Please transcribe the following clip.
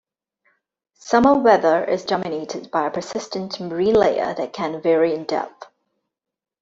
Summer weather is dominated by a persistent Marine layer that can vary in depth.